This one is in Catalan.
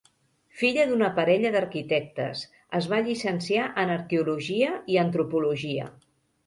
Filla d'una parella d'arquitectes, es va llicenciar en arqueologia i antropologia.